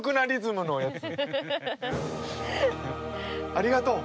ありがとう！